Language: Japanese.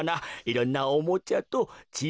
いろんなおもちゃとちぃ